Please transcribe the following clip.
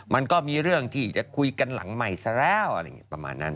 มันก็มีเรื่องที่จะคุยกันหลังใหม่ซะแล้วอะไรอย่างนี้ประมาณนั้น